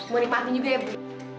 mau di panti juga ya bu